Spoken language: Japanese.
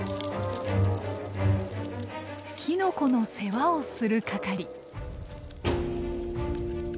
キノコの世話をする係。